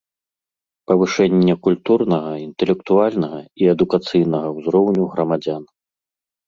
Павышэнне культурнага, iнтэлектуальнага i адукацыйнага ўзроўню грамадзян.